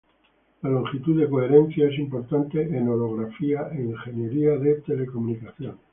La longitud de coherencia es importante en holografía e ingeniería de telecomunicaciones.